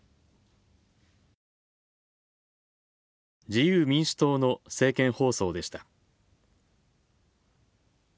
自由民主党の政見放送でした。